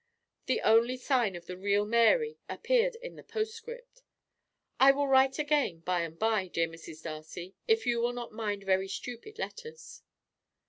The only sign of the real Mary appeared in the postscript, "I will write again by and by, dear Mrs. Darcy, if you will not mind very stupid letters."